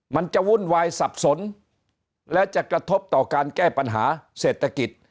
มันจะวุ่นวายสับสนและจะกระทบต่อการแก้ปัญหาเศรษฐกิจ